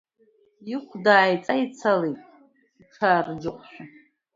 Ихәда ааиҵеицалеит иҽаарџьыҟәшәа.